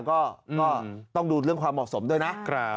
ก็ต้องดูเรื่องความเหมาะสมด้วยนะ